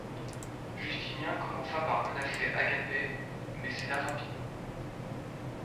Justinien commença par menacer Agapet, mais céda rapidement.